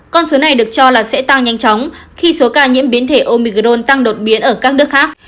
con số này được cho là sẽ tăng nhanh chóng khi số ca nhiễm biến thể omicron tăng đột biến ở các nước khác